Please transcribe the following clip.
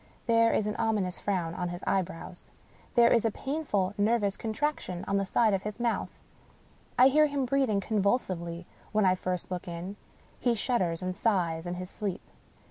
There is an ominous frown on his eyebrows — ^there is a painful nervous contraction on the side of his mouth. I hear him breathing convulsively when I first look in ; he shudders and sighs in his sleep.